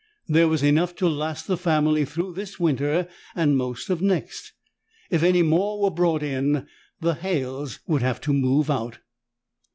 There was enough to last the family through this winter and most of next. If any more were brought in, the Halles would have to move out.